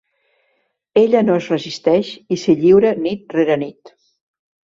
Ella no es resisteix i s'hi lliura nit rere nit.